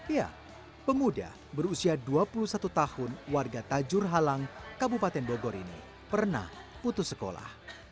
ya pemuda berusia dua puluh satu tahun warga tajur halang kabupaten bogor ini pernah putus sekolah